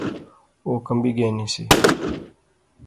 او کمبی گینی سی